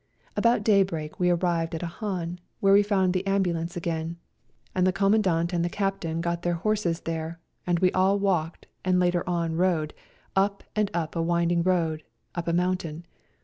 About daybreak we arrived at a hahn, where we found the ambulance again, and the Commandant and the Captain A COLD NIGHT RIDE 95 got their horses there, and we all walked, and later on rode, up and up a winding road, up a mountain.